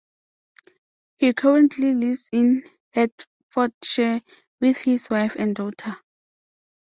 He currently lives in Hertfordshire with his wife and daughter.